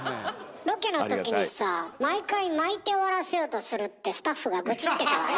ロケの時にさあ毎回まいて終わらせようとするってスタッフが愚痴ってたわよ？